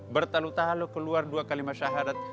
bertalu talu keluar dua kalimat syahadat